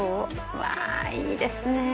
うわいいですね。